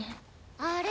あれ？